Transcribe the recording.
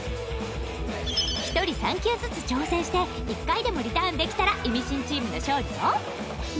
１人３球ずつ挑戦して１回でもリターンできたらイミシンチームの勝利よ。